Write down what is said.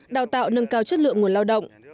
đào tạo nâng cao chất lượng nguồn lao động